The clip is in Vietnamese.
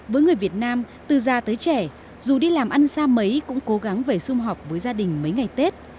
với người việt nam từ già tới trẻ dù đi làm ăn xa mấy cũng cố gắng về xung họp với gia đình mấy ngày tết